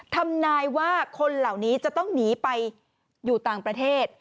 ทำนายว่าคนเหล่านี้จะต้องหนีไปอยู่ต่างประเทศ